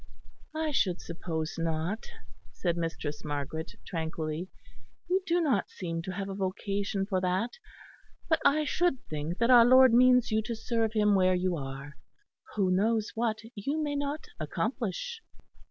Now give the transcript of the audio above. "I should suppose not," said Mistress Margaret, tranquilly. "You do not seem to have a vocation for that, but I should think that our Lord means you to serve Him where you are. Who knows what you may not accomplish?"